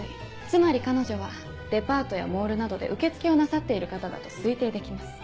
つまり彼女はデパートやモールなどで受付をなさっている方だと推定できます。